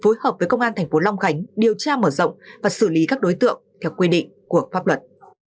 phối hợp với công an thành phố long khánh điều tra mở rộng và xử lý các đối tượng theo quy định của pháp luật